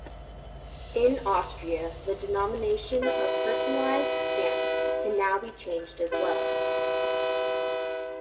In Austria the denomination of personalised stamps can now be changed as well.